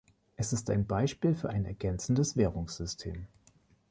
Es ist ein Beispiel für ein ergänzendes Währungssystem.